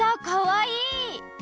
かわいい！